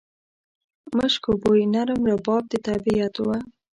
مشکو بوی، نرم رباب د طبیعت و